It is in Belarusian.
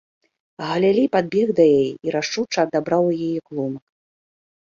Галілей падбег да яе і рашуча адабраў у яе клумак.